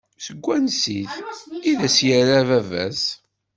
Seg wansi-t? I d as-yerra baba-s.